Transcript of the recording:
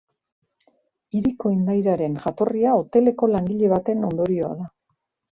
Hiri kondairaren jatorria hoteleko langile baten ondorioa da.